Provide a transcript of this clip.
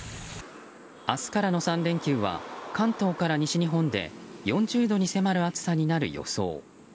明日からの３連休は関東から西日本で４０度に迫る暑さになる予想。